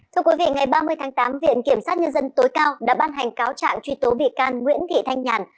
thưa quý vị ngày ba mươi tháng tám viện kiểm sát nhân dân tối cao đã ban hành cáo trạng truy tố bị can nguyễn thị thanh nhàn